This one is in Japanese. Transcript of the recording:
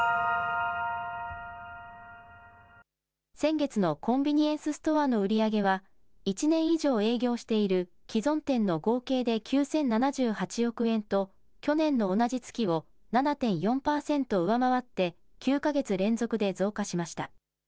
先月のコンビニエンスストアの売り上げは、１年以上営業している既存店の合計で９０７８億円と、去年の同じ月を７．４％上回って、９か月連続で増加しました。